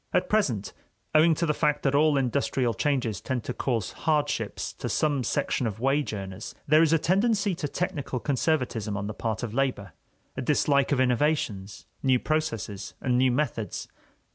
At present, owing to the fact that all industrial changes tend to cause hardships to some section of wage earners, there is a tendency to technical conservatism on the part of labor, a dislike of innovations, new processes, and new methods.